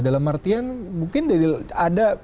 dalam artian mungkin ada